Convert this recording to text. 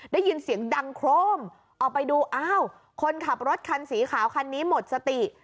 ได้ยินเสียงดังโครมออกไปดูอ้าวคนขับรถคันสีขาวคันนี้หมดสติ